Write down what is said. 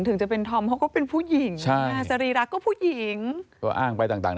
ถึงจะเป็นธอมเขาก็เป็นผู้หญิงใช่สรีรักก็ผู้หญิงก็อ้างไปต่างต่าง